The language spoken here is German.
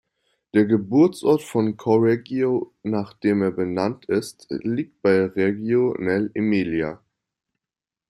Der Geburtsort von Correggio, nach dem er benannt ist, liegt bei Reggio nell’Emilia.